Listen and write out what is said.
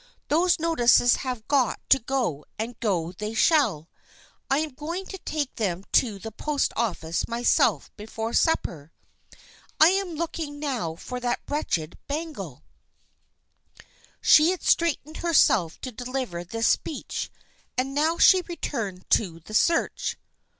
Those notices have got to go and go they shall. I am going to take them to the post office myself before supper. I am looking now for that wretched bangle." She had straightened herself to deliver this speech and now she returned to the search.